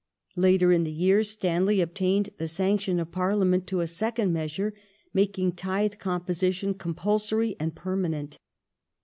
I^ter in the year Stanley obtained the sanction of Parliament to a second measure, making tithe composition compulsory and permanent.